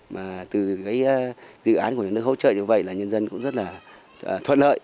mà từ cái dự án của nhà nước hỗ trợ như vậy là nhân dân cũng rất là thuận lợi